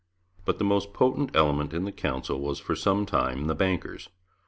But the most potent element in the Council was for some time the bankers.